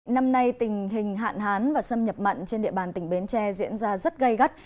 năm nay tình hình hạn hán và xâm nhập mặn trên địa bàn tỉnh bến tre diễn ra rất gây gắt